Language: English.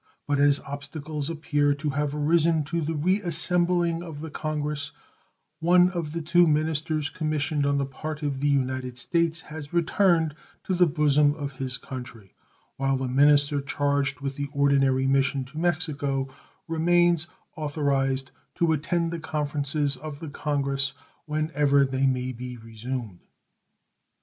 But as obstacles appear to have arisen to the reassembling of the congress, one of the two ministers commissioned on the part of the United States has returned to the bosom of his country, while the minister charged with the ordinary mission to Mexico remains authorized to attend the conferences of the congress when ever they may be resumed.